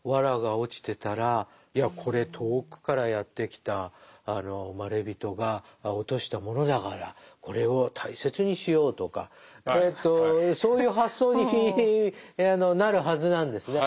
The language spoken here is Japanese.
藁が落ちてたらいやこれ遠くからやって来たまれびとが落としたものだからこれを大切にしようとかそういう発想になるはずなんですね。